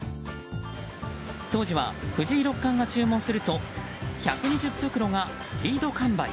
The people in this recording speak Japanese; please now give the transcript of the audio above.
当時は藤井六冠が注文すると１２０袋がスピード完売。